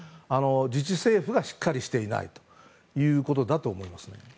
自治政府がしっかりしていないということだと思います。